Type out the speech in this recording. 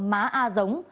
má a dống